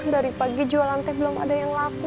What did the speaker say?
dari pagi jualan teh belum ada yang laku